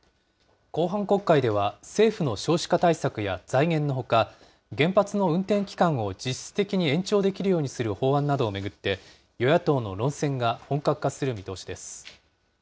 後半国会では、政府の少子化対策や財源のほか、原発の運転期間を実質的に延長できるようにする法案などを巡って、与野党の論戦が本格化する見通しです。